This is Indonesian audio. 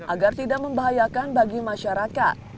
agar tidak membahayakan bagi masyarakat